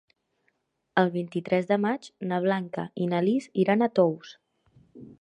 El vint-i-tres de maig na Blanca i na Lis iran a Tous.